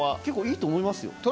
結構いいと思いますよ。